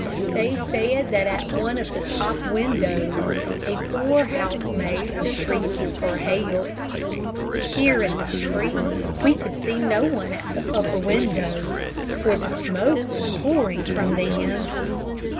They said that at one of the top windows a poor housemaid was shrieking for help. Here in the street we could see no one at the upper windows, for smoke was pouring from them.